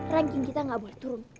ranking kita nggak boleh turun